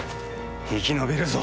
生き延びるぞ！